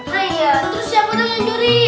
terus siapa yang mencuri